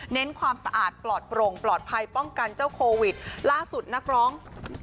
ความสะอาดปลอดโปร่งปลอดภัยป้องกันเจ้าโควิดล่าสุดนักร้อง